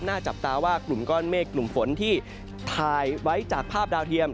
จับตาว่ากลุ่มก้อนเมฆกลุ่มฝนที่ถ่ายไว้จากภาพดาวเทียม